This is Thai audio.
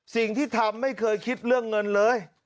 สิ่งที่ทำไม่เคยคิดเรื่องเงินเลย